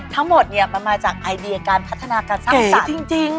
ทั้งหมดเนี่ยมันมาจากไอเดียการพัฒนาการสร้างสรรค์จริง